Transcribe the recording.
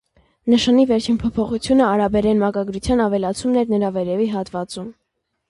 Նշանի վերջին փոփոխությունը արաբերեն մակագրության ավելացումն էր նրա վերևի հատվածում։